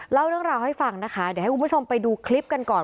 เล่าเรื่องราวให้ฟังนะคะเดี๋ยวให้คุณผู้ชมไปดูคลิปกันก่อน